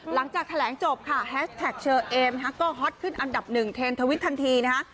หลังจากแถลงจบค่ะแฮชแท็กเชอเอมก็ฮอตขึ้นอันดับหนึ่งเทนทวิตทันทีนะฮะ